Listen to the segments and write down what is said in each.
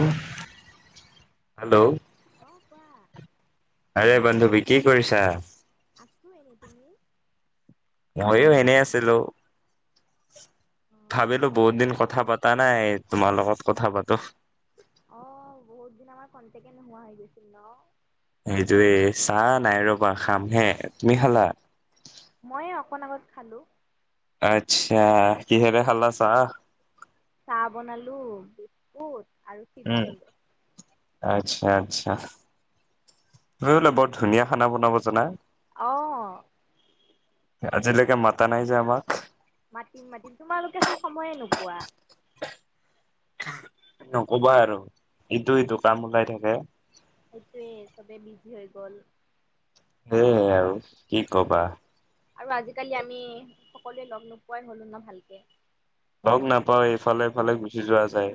উম hello অ কোৱা আৰে বান্ধৱী কি কৰিছা। আছো এনে তুমি। ময়ো এনেই আছিলো। অ ভাবিলো চাহ তাহ বহুত দিন খালা কথা পাতা নাই তোমাৰ লগত কথা পাত তহ অ বহুত দিন আমাৰ কণ্টেকে নোহোৱা হৈ গৈছিল ন? হেইতোৱে চা নাই ৰবা খামহে, তুমি খালা? মই অকণ আগত খালো। আচ্ছা কিহেৰে খালা চাহ। চাহ বনালো বিস্কুট আৰু উম চিপচ ললো। আচ্ছা আচ্ছা, তুমি বোলে বৰ ধুনীয়া খানা বনাব জানা? অ আজিলৈকে মাতা নাই যে আমাক। মাতিম মাতিম তোমালোকেচোন সময়ে নোপোৱা। নকবা আৰু ইটো সিটো কাম ওলাই থাকে। সেইটোৱে চবেই বিজি হৈ গল। সেয়ে আৰু কি কবা। আৰু আজিকালি আমি সকলোৱে লগ নোপোৱাই হলো নহ ভালকে। লগ নাপাওঁ এইফালে সিফালে গুচি যোৱা যায়।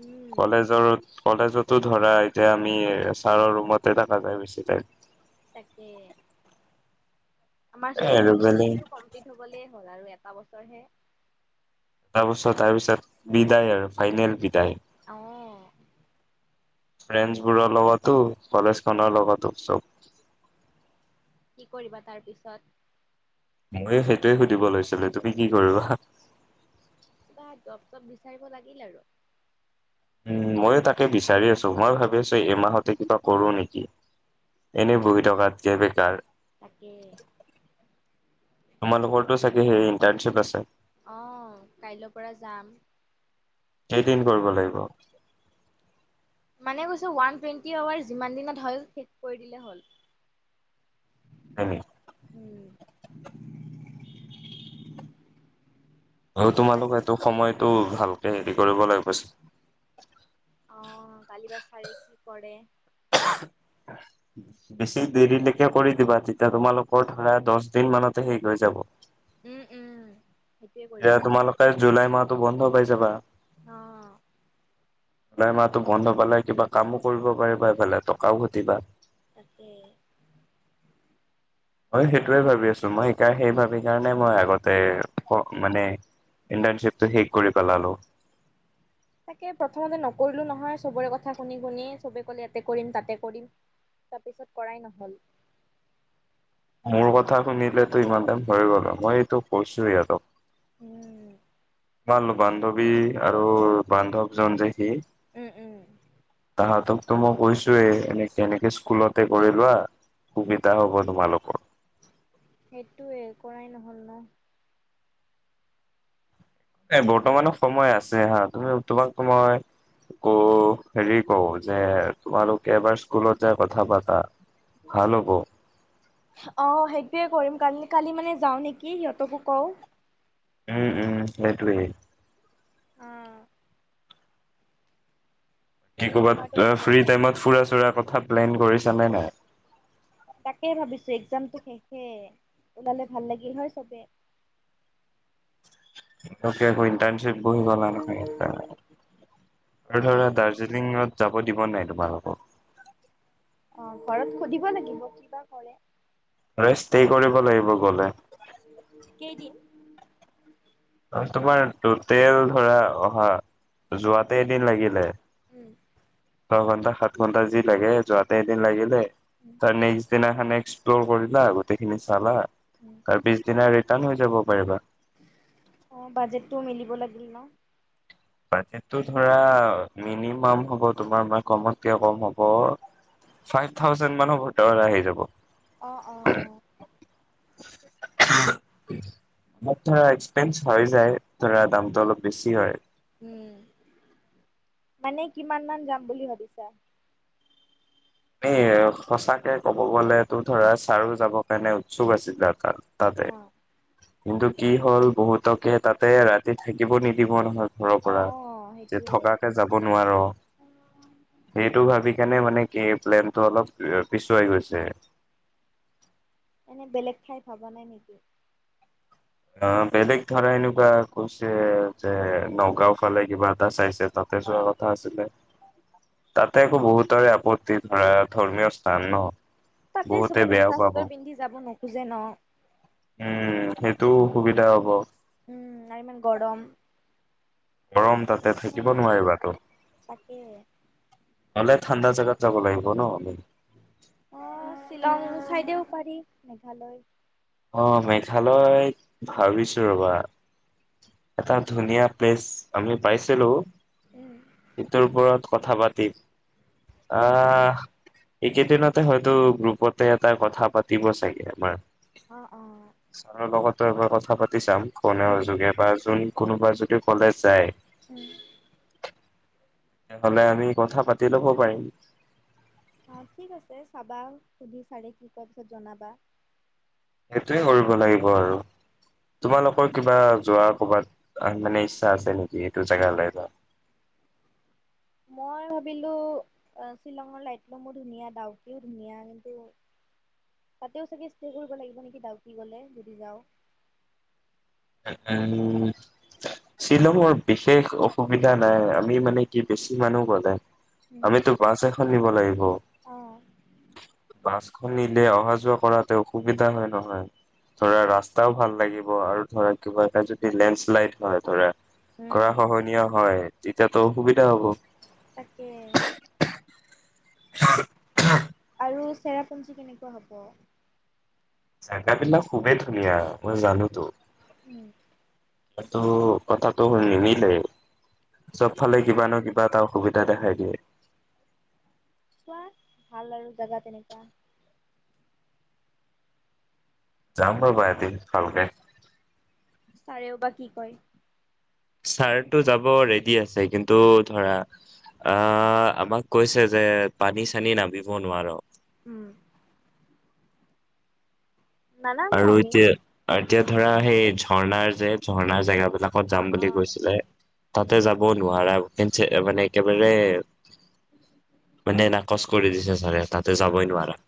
উম কলেজৰ কলেজতো ধৰা এতিয়া আমি ছাৰৰ ৰুমতে থকা যায় বেছি টাইম। তাকে। আমাৰ এ চোন আৰু বেলেগ ডিগ্ৰীটো কমপ্লিট হবলে হল আৰু এট এটা বছৰহে। এটাৰ বছত তাৰ পিছত বিদায় আৰু ফাইনেল বিদায়। অহ। ফ্ৰেণ্ডছবোৰৰ লগতো কলেজখনৰ লগতো চব। কি কৰিবা তাৰ পিছত ময়ো সেইটোৱে সুধিব লৈছিলো তুমি কি কৰিবা? কিবা জব চপ বিচাৰিব লাগিল আৰু উ ময়ো তাকে বিচাৰি আছো মই ভাবি আছো এইমাহতে কিবা কৰো নেকি। অ এনেই বহি থকাত যে বেকাৰ। তাকে। তোমালোকৰতো চাগে সেই ইণ্টাৰ্নশিপ আছে। অহ কাইলৈ পৰা যাম। কেইদিন কৰিব লাগিব। মানে কৈছো ওৱান টুৱেণ্টি আৱাৰ যিমান দিনত হ'ল শেষ কৰি দিলেই হ'ল। হয় নি উম। আৰু তোমালোক এইটো সময়টো ভালকে হেৰি কৰিব লাগিব। অ কালি বা চাৰে কি কৰে? বেছি দেৰিলৈকে কৰি দিবা, তেতিয়া তোমালোকৰ ধৰা দচ দিন মানতে শেষ হৈ যাব। উম উম। সেইটোৱে কৰিব এয়া তুমালোকে জুলাই মাহত টো বন্ধ পাই যাবা। অ'। জুলাই মাহটো বন্ধ পালে কিবা কামো কৰিব পাৰিবা, এইফালে টকাও ঘটিবা। তাকেই। মই সেইটোৱে ভাবি আছো। মই সেই ভাবি কেনে মই আগতে এ অ', মানে ইন্টাৰ্ণশ্বিপটো শেষ কৰি পেলালো। তাকে প্ৰথমতে নকৰিলো নহয়, চবৰে কথা শুনি শুনি। চবে কলে ইয়াতে কৰিম, তাতে কৰিম, তাৰপিছত কৰাই নহ'ল। মোৰ কথা শুনিলেতো ইমান টাইম হৈয়ে গ'ল হয়। মই এইটো কৈছো সিহঁতক। উম। তোমাৰ বান্ধৱী আৰু বান্ধৱজন যে সি উম, উম। তাহাঁতকতো মই কৈছোঁৱেই এনে, এনেকে স্কুলতে কৰি লোৱা সুবিধা হ'ব তোমালোকৰ। সেইটোয়ে কৰাই নহ'ল ন। এ, বৰ্তমানৰ সময় আছে হা, তুমি তোমাকটো মই ক, হেৰি কওঁ যে, তোমালোকে এবাৰ স্কুলত যায় কথা পাতা। ভাল হ'ব অ', সেইটোৱে কৰিম কালি কালি মানে যাওঁ নেকি, সিহঁতকো কওঁ। উম, উম সেইটোৱেই। কি তোমাৰতো ক'ৰবাত, ফ্ৰী টাইমত ফুৰা চুৰা কথা প্লেন কৰিছা নে নাই? তাকেই ভাবিছো একজামটো শেষে ওলালে ভাল লাগিল হয় চবে। [unintelligible] অকে বহি গ'লা নহয় [unintelligible] আৰু এ ধৰা দাৰ্জিলিঙত যাব দিব নাই তোমাক আকৌ। অ, ঘৰত সুধিব লাগিব কিবা কৰে। আৰে ষ্টে কৰিব লাগিব গ'লে। কেইদিন অ, তোমাৰ টোটেল ধৰা অহা যোৱাতে এদিন লাগিলে। উম, দহ ঘন্টা সাত ঘণ্টা যি লাগে যোৱাতে এদিন লাগিলে। তাৰ নেক্সট দিনা এক্সপ্ল'ৰ কৰিলা, গোটেইখিনি চালা তাৰপিছদিনা টান হৈ যাব পাৰিবা অ', বাজেটটো মিলিব লাগিল ন' বাজেটটো ধৰা মিনিমাম হ'ব তোমাৰ মই কমতকে কম হ'ব, ফাইভ থাউজেণ্ড মানৰ [unintelligible] আহি যাব। অ, অ আত্চা এক্সপেঞ্চ হয় যায়, ধৰা দামটো অলপ বেছি হয়। উম, মানে কিমান মান যাম বুলি ভাবিছা? এ আৰু সঁচাকে ক'ব গ'লে তো ধৰা ছাৰো যাব কাৰণে উৎসুক আছিল আৰু তাত তাতে। অ কিন্তু কি হ'ল, বহুতকে তাতে ৰাতি থাকিব নিদিব নহয়। ঘৰৰ অ পৰা, যে সেইটোয়ে থকাকে যাব নোৱাৰ, সেইটো ভাবি কেনে মানে কি প্লেনটো অলপ পিছুৱাই গৈছে। এনে বেলেগ ঠাই ভাবা নাই নেকি? অ, বেলেগ ধৰা এনেকুৱা কৈছে যে নগাঁও ফালে কিবা এটা চাইছে তাতে যোৱা কথা আছিলে। তাতে আকৌ বহুতৰে আপত্তি ধৰা ধৰ্মীয় স্থান ন। তাতে বহুতে চবে বেয়াও পাব। মেখলা-চাদৰ পিন্ধি যাব ন। খোজে ন'। উম' সেইটোও অসুবিধা হ'ব। উম, আৰু ইমান গৰম। গৰম তাতে থাকিব নোৱাৰিবা ত'। তাকে গলে ঠাণ্ডা জাগাত যাব লাগিব ন' আমি। অ' শ্বিলং চাইডেও পাৰি মেঘালয় অ' মেঘালয় ভাবিছো ৰ'বা। এটা ধুনীয়া প্লেচ আমি পাইছিলো, উম সেইটোৰ ওপৰত কথা পাতিম অ আহ এইকেইদিনতে হয়তো গ্ৰুপতে এটা কথা পাতিব চাগে আমাৰ। অ', অ'। [unintelligible] কথা পাতি চাম। ফোনৰ উম যোগে [unintelligible] যদি কোনোবা যদি কলেজ যায় [inaudible] তেতিয়াহ'লে আমি কথা পাতি ল'ব পাৰিম। অ', ঠিক আছে চাবা, সুধি চাৰে কি কোৱাৰ পিছত জনাবা। সেইটোৱে কৰিব লাগিব আৰু তোমালোকৰ কিবা যোৱা ক'ৰবাত আহ, মানে ইচ্ছা আছে নেকি? সেইটো জেগালৈ [unintelligible] মই ভাবিলোঁ অ', শ্বিলঙৰ লাইট মোৰ ধুনীয়া ডাউকিও ধুনীয়া, কিন্তু তাতেয়ো চাগে ষ্টে কৰিব লাগিব নেকি? ডাউকী গ'লে যদি যাওঁ। উম, শ্বিলঙৰ বিশেষ অসুবিধা নাই আমি মানে কি বেছি মানুহ গ'লে আমিতো বাছ এখন নিব লাগিব অ বাছখন নিলে অহা যোৱা কৰাতে অসুবিধা [unintelligible] হয়, নহয় ধৰা ৰাস্তাও ভাল লাগিব আৰু ধৰা কিবা এটা যদি লেণ্ডশ্লাইড হয়, ধৰা গৰাখহনীয় হয়। এতিয়াতো অসুবিধা হ'ব। তাকে। [inaudible] আৰু চেৰাপুঞ্জী কেনেকুৱা হ'ব? জেগাবিলাক খুবেই ধুনীয়া, মই জানোতো। উম। সেইটো কথাটো নিমিলেই। তাকে চবফালেই কিবা নহয় কিবা এটা অসুবিধা দেখাই দিয়ে। কোৱা, ভাল আৰু জেগা তেনেকুৱা। যাম ৰ'বা এদিন ভালকে। ছাৰেও বা কি কয় ছাৰটো যাব ৰে'ডি আছে, কিন্তু ধৰা, অ', আমাক কৈছে যে পানী চানীত নামিব নোৱাৰ। উম। নানামো আৰু আমি এতিয়া এতিয়া ধৰা সেই ঝৰ্ণাৰ যে ঝৰ্ণাৰ জেগা। বিলাকত অ যাম অ বুলি কৈছিলে। তাতে যাব নোৱাৰা কে মানে একেবাৰে মানে নাকচ কৰি দিছে ছাৰে তাতে যাবই নোৱাৰা।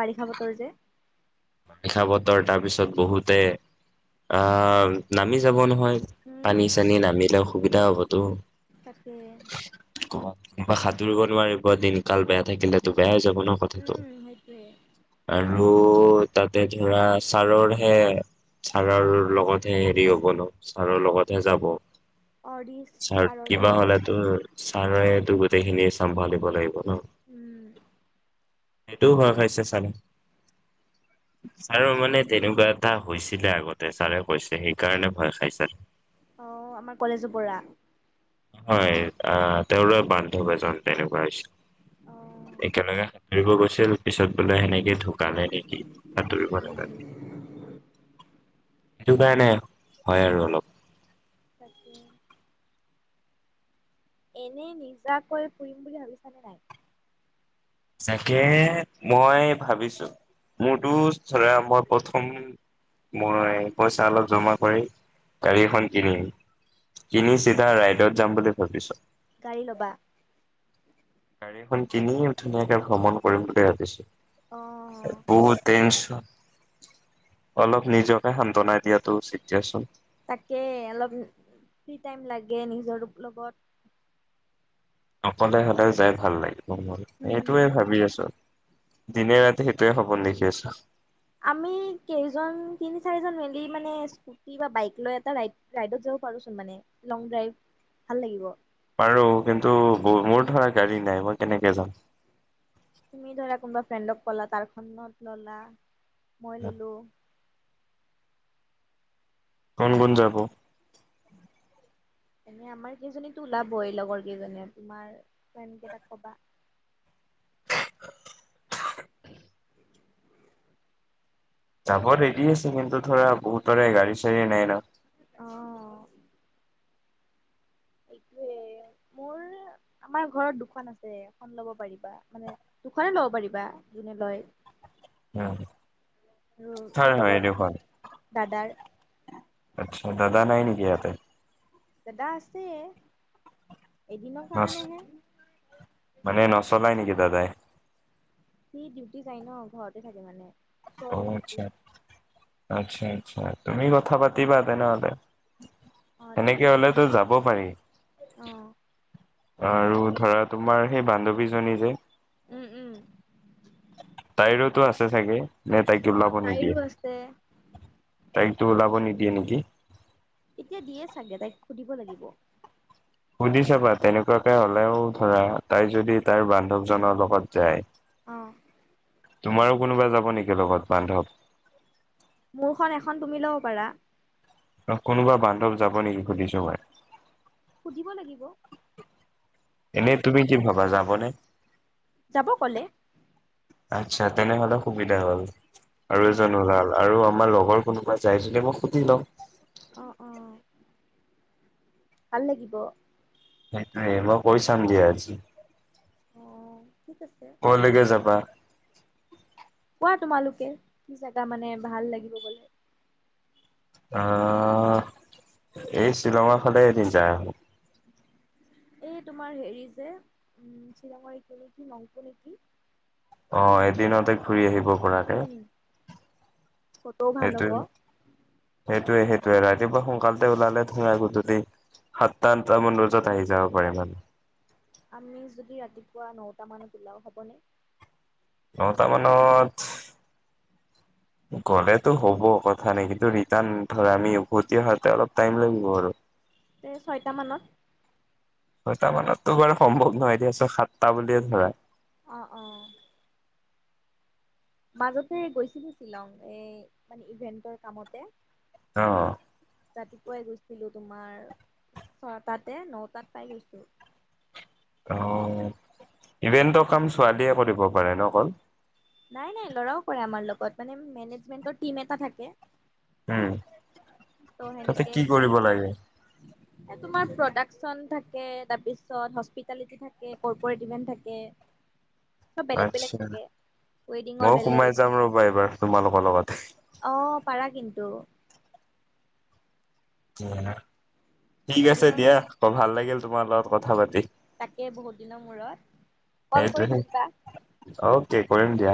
বাৰিষা বতৰ যে। বাৰিষা বতৰ তাৰপিছত বহুতে আহ নামি যাব নহ হয়, উম পানী-চানী নামিলেও। অসুবিধা হ'বতো। তাকে। ক'ৰবাত কিবা সাঁতুৰিব নোৱাৰিব দিনকাল বেয়া থাকিলে তো বেয়া যাব। ম কথাটো উম সেইটোৱে আৰু তাতে ধৰা ছাৰৰহে ছাৰৰ লগতহে হেৰি হ'ব ন ছাৰৰ লগতহে যাব। অৰিশ ছাৰ ছাৰৰে কিবা আছে হলে তোৰ ছাৰে টো গোটেই খিনিয়ে চম্ভালিব লাগিব ন উম সেইটোও ভয় খাইছে ছাৰে ছাৰৰ চোৱাচোন মানে তেনেকুৱা এটা হৈছিলে আগতে ছাৰে কৈছে সেইকাৰণে ভয় খাই ছাৰ অ আমাৰ কলেজৰ পৰা হয় অহ তেওঁৰ বান্ধৱ এজন তেনেকুৱা হৈছিল অ উম একেলগে সাঁতুৰিব গৈছিল পিছত বোলে সেনেকে ঢুকালে নেকি সাঁতুৰিব নাজানে উম সেইটো কাৰণে হয় আৰু অলপ তাকে এনে নিজাকৈ ফুৰিম বুলি ভাবিছানে নাই তাকে মই ভাবিছো মোৰতো ধৰা মই প্ৰথম মই পইচা অলপ জমা কৰি গাড়ী এখন কিনিম কিনি চিধা ৰাইডত যাম বুলি ভাবিছো- গাড়ী ল'বা গাড়ীখন কিনি ধুনীয়াকে ভ্ৰমণ কৰিম বুলি অ ভাবিছো [unintelligible] অলপ নিজকে সান্তনা দিয়াটো উচিত দিয়াচোন। তাকে অলপ ফ্ৰী টাইম লাগে নিজৰ লগত। অকলে হলে যায় ভাল লাগে। উম সেইটোৱে ভাবি আছো। দিনে ৰাতি সেইটোৱে সপোন দেখি আছো। আমি কেইজন তিনি চাৰিজন মেলি মানে স্কুটি বা বাইক লৈ এটাই ৰাইডত যাব পাৰোচোন মানে লং ড্ৰাইভ, ভাল লাগিব। পাৰো কিন্তু মোৰ ধৰা গাড়ী নাই মই কেনেকে যাম? তুমি ধৰা কোনোবা ফ্ৰেণ্ডক ক'লা তাৰখনত ললা মই ললো কোন কোন যাব? এনে আমাৰ কেইজনীতো ওলাবই লগৰ কেইজনীয়ে তোমাৰ ফ্ৰেণ্ড কেইটাক কবা। যাব ৰেডি আছে কিন্তু ধৰা বহুতৰে গাড়ী ছাড়ীয়ে নাই ন। অঁ। এইটোৱে মোৰ আমাৰ ঘৰত দুখন আছে এখন ল'ব পাৰিবা মানে দুখনে ল'ব পাৰিবা যোনে লয়। উ আৰু মোৰ হয় হয় এই লগৰ দেখ দাদাৰ ইয়াতে দাদা আছে ে এদিনৰ নচ কাৰণেহে মানে নচলাই নেকি দাদাই সি ডিউটি যায় ন ঘৰতে থাকে মানে অ ওচৰতে ডিউটি আচ্ছা আচ্ছা আচ্ছা তুমি কথা পাতিবা তেনেহ'লে অ ঠিক সেনেকে আছে হলেতো যাব পাৰি অ আৰু ধৰা তোমাৰ সেই বান্ধৱীজনী যে উম উম তাইৰোতো আছে চাগে নে তাইক অ উলাব তাইৰো নিদিয়ে আছে তাইতো ওলাব নিদিয়ে নেকি এতিয়া দিয়ে চাগে তাইক সুধিব লাগিব সুধি চাবা। তেনেকুৱাকে হ'লেও, ধৰা, তাই যদি তাইৰ বান্ধৱজনৰ লগত যায় অ'। তোমাৰো কোনোবা যাব নেকি, লগত বান্ধৱ? মোৰখন এখন, তুমি ল'ব পাৰা অহ, কোনোবা বান্ধৱ যাব নেকি? সুধিছোঁ মই সুধিব লাগিব এনে, তুমি কি ভাবা? যাবনে? যাব ক'লে আচ্ছা, তেনেহ'লে সুবিধা হ'ল। আৰু, অ এজনো ওলাল, আৰু আমাৰ লগৰ কোনোবা যায় যদি, মই সুধি লওঁ অ', অ', ভাল লাগিব। তাকেই মই কৰি চাম দিয়া, আজি অ'। ঠিক আছে ক'লৈকে যাবা? কোৱা, তোমালোকে কি জেগা, মানে, ভাল লাগিব গ'লে? আহ, এই শ্বিলঙৰ ফালে, এদিন যাই আহোঁ এই, তোমাৰ, হেৰি যে, উম, শ্বিলঙৰ, এইখিনি কি? নংপ' নেকি? অ', এদিনতে ঘূৰি আহি ব পৰাকে, উম ফটোও ভাল হ'ব সেইটোৱেই, সেই সেইটোৱেই, সেইটোৱেই। ৰাতিপুৱা সোনকালতে ওলালে, ধৰা, আহোঁতে দেৰি, সাতটা-আঠটামান বজাত আহি যাব পাৰে, মানে আমি যদি ৰাতিপুৱা নটামানত ওলাওঁ, হ'বনে? নটামানত গ'লেতো হ'ব, কথা নাই। কিন্তু, ৰিটাৰ্ণ, ধৰা, আমি উভতি আহাতে অলপ টাইম লাগিব, আৰু তে ছয়টামানত ছয়টামানততো বাৰু সম্ভৱ নহয়। এতিয়া, ছয়-সাতটা বুলিয়েই ধৰা অ', অ'। মাজতে গৈছিলোঁ শ্বিলং। এই, মানে, ইভেণ্টৰ কামতে অ'। ৰাতিপুৱাই গৈছিলোঁ তোমাৰ ছটাতে, নটাত পাই গৈছোঁ। অ' ইভেণ্টৰ কাম ছোৱালীয়ে কৰিব পাৰে ন অকল নাই, নাই ল'ৰাও কৰে আমাৰ লগত, মানে মেনেজমেণ্টৰ টিম এটা থাকে। উম, ত' তাতে সেনেকে কি কৰিব লাগে? এ তোমাৰ প্ৰডাকচন থাকে। তাৰপিছত, হস্পিটেলিটি থাকে, কৰ্প'ৰেট ইভেণ্ট থাকে। চ'ব বেলেগ বেলেগ থাকে। ৱেডিঙৰ মইয়ো সোমাই যাম ৰ'বা, এইবাৰ তোমালোকৰ লগত। অ'পাৰা কিন্তু যাৰহ ঠিক আছে ৱেডিঙৰ দিয়া, অ' ভাল লাগিল। তোমাৰ লগত কথা পাতি তাকে, বহুত দিনৰ মূৰত, কল কৰি সেইটোহে, থাকিবা অ'কে কৰিম দিয়া